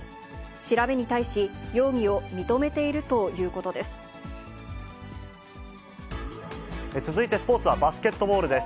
調べに対し、容疑を認めていると続いてスポーツはバスケットボールです。